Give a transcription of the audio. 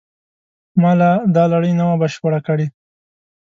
ما لا دا لړۍ نه وه بشپړه کړې.